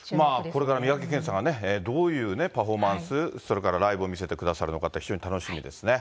これから三宅健さんがね、どういうパフォーマンス、それからライブを見せてくださるのか、非常に楽しみですね。